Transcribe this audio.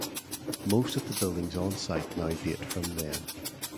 Most of the buildings on site now date from then.